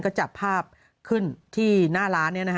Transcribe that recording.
ก็จับภาพขึ้นที่หน้าร้าน